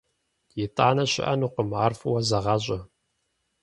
«ИтӀанэ» щыӀэнукъым, ар фӀыуэ зэгъащӀэ!